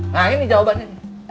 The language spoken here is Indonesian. nah ini jawabannya